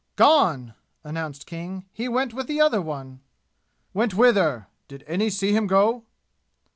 "Gone!" announced King. "He went with the other one!" "Went whither? Did any see him go?"